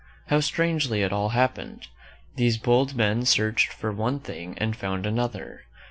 How strangely it all happened! These bold men searched for one thing and found another.